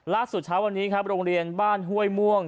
เช้าวันนี้ครับโรงเรียนบ้านห้วยม่วง